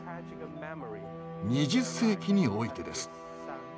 ２０世紀においてです。